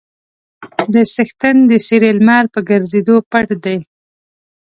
د څښتن د څېرې لمر په ګرځېدو پټ دی.